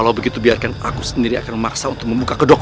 kalau begitu biarkan aku sendiri akan memaksa untuk membuka kedok